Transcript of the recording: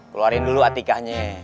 keluarin dulu atikanya